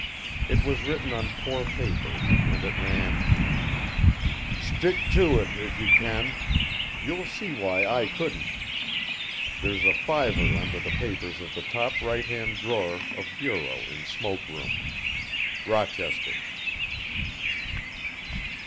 It was written on poor paper, and it ran: "Stick to it if you can. You'll see why I couldn't. There's a fiver under the papers of the top right hand drawer of bureau in smoke room. "ROCHESTER."